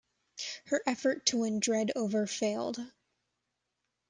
Her efforts to win Dredd over failed.